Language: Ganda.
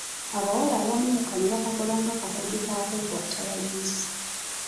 Abawala abamu kano bakakola nga kakodyo kakwekwata balenzi.